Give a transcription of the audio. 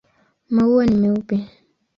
Maua ni meupe.